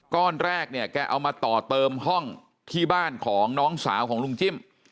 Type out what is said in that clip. ก้อนแรกเนี่ยแกเอามาต่อเติมห้องที่บ้านของน้องสาวของลุงจิ้ม